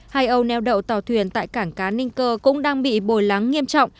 hai âu neo đậu tàu thuyền tại cảng cá ninh cơ cũng đang bị bồi lắng nghiêm trọng